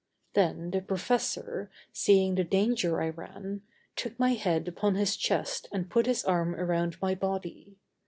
Then the professor, seeing the danger I ran, took my head upon his chest and put his arm around my body.